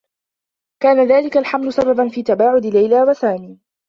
كان ذلك الحمل سببا في تباعد ليلى و سامي.